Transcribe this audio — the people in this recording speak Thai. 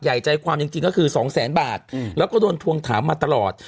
ใหญ่ใจความจริงจริงก็คือสองแสนบาทอืมแล้วก็โดนถวงถามมาตลอด